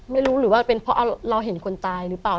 ไม่รู้หรือว่าเป็นพอเราเห็นคนตายหรือเปล่า